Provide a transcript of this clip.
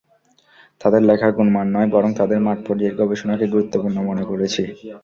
তাঁদের লেখার গুণমান নয়, বরং তাঁদের মাঠপর্যায়ের গবেষণাকে গুরুত্বপূর্ণ মনে করেছি।